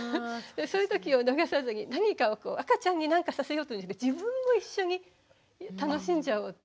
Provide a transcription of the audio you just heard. そういうときを逃さずに何かを赤ちゃんに何かさせようじゃなくて自分も一緒に楽しんじゃおう。